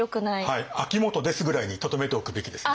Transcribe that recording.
はい「秋元です」ぐらいにとどめておくべきですね。